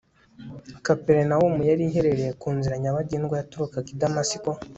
kaperinawumu yari iherereye ku nzira nyabagendwa yaturukaga i damasiko